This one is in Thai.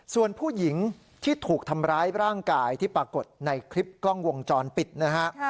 ส่วนผู้หญิงที่ถูกทำร้ายร่างกายที่ปรากฏในคลิปกล้องวงจรปิดนะฮะ